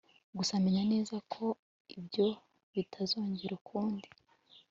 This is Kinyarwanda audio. Gusa menya neza ko ibyo bitazongera ukundi